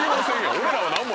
俺らは何も。